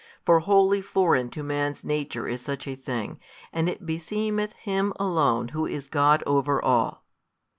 for wholly foreign to man's nature is such a thing, and it beseemeth Him Alone Who is God over all.